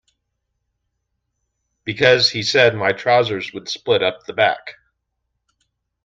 Because he said my trousers would split up the back.